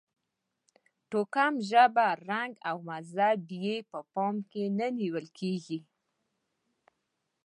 توکم، ژبه، رنګ او مذهب یې په پام کې نه نیول کېږي.